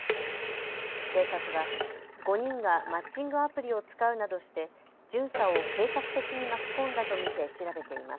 警察は５人がマッチングアプリを使うなどして巡査を計画的に巻き込んだと見て調べています。